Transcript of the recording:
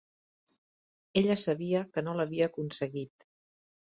Ella sabia que no l'havia aconseguit.